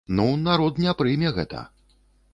Ну, народ не прымае гэта.